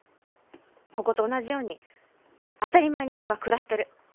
ここと同じように当たり前に人が暮らしてる。